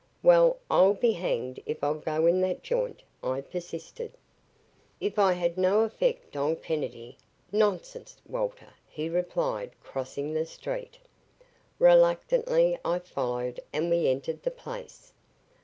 "Well, I'll be hanged if I'll go in that joint," I persisted. It had no effect on Kennedy. "Nonsense, Walter," he replied, crossing the street. Reluctantly I followed and we entered the place.